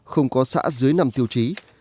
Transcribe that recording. không có xã dưới năm tiêu chí